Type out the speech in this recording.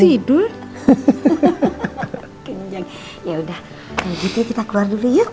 yaudah kalau gitu kita keluar dulu yuk